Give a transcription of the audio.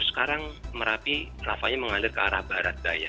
sekarang merapi rasanya mengalir ke arah barat daya